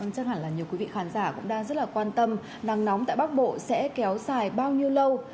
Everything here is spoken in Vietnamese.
chắc hẳn là nhiều quý vị khán giả cũng đang rất là quan tâm nắng nóng tại bắc bộ sẽ kéo dài bao nhiêu lâu